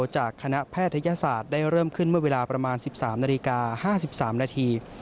จากคณะแพทยศาสตร์ได้เริ่มขึ้นเมื่อเวลาประมาณ๑๓นาฬิกา๕๓นาที